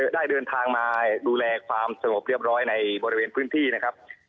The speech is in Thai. ได้เดินทางมาดูแลความสงบเรียบร้อยในบริเวณพื้นที่นะครับ